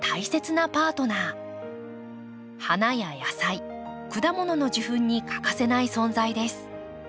花や野菜果物の受粉に欠かせない存在です。